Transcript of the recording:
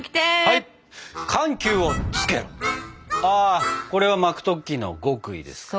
あこれは巻く時の極意ですか？